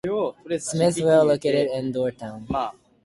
Smith Well, located in Dorrtown.